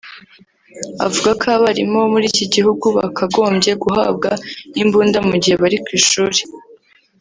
avuga ko abarimu bo muri iki gihugu bakagombye guhabwa imbunda mu gihe bari ku ishuli